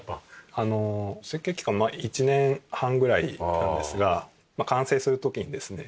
設計期間は１年半ぐらいなんですが完成する時にですね